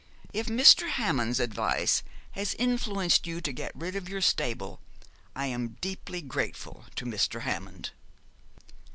If Mr. Hammond's advice has influenced you to get rid of your stable I am deeply grateful to Mr. Hammond.'